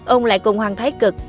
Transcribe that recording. ông lại cùng hoàng thái cực